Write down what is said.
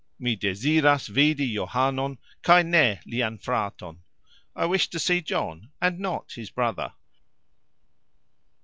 "Mi deziras vidi Johanon kaj ne lian fraton", I wish to see John and not his brother.